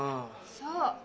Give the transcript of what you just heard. そう！